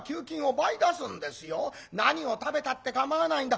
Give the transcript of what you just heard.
何を食べたって構わないんだ。